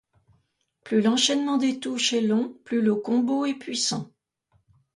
Plus l'enchaînement des touches est long, plus le combo est puissant.